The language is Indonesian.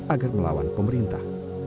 agar melawan pemerintah